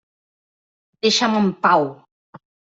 Deixa'm en pau!